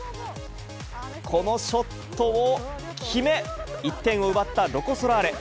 このショットを決め、１点を奪ったロコ・ソラーレ。